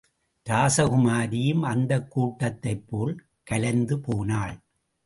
ராசகுமாரியும் அந்தக் கூட்டத்தைப்போல் கலைந்துபோனாள்.